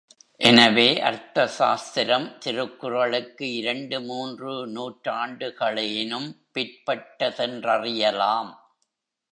எனவே அர்த்தசாஸ்திரம் திருக்குறளுக்கு இரண்டு மூன்று நூற்றாண்டுகளேனும் பிற்பட்டதென்றறியலாம்.